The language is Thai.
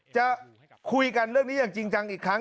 จะคุยกันเรื่องนี้อย่างจริงจังอีกครั้ง